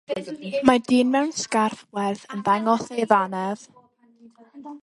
Mae dyn mewn sgarff werdd yn dangos ei ddannedd.